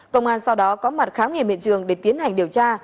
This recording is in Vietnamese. công an sau đó có mặt khám nghiệm hiện trường để tiến hành điều tra